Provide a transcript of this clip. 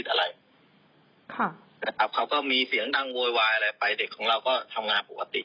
อะไรค่ะนะครับเขาก็มีเสียงดังโวยวายอะไรไปเด็กของเราก็ทำงานปกติ